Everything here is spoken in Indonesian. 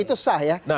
itu sah ya